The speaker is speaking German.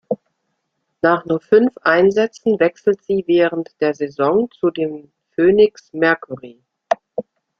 Nach nur fünf Einsätzen wechselt sie während der Saison zu den Phoenix Mercury.